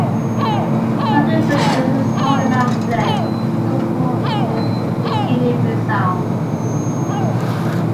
Salt is produced in small amounts today, it is exported to Guinea-Bissau.